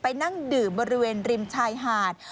นั่งดื่มบริเวณริมชายหาด